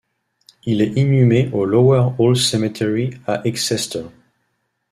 Il est inhumé au Lower All Cemetery à Exeter.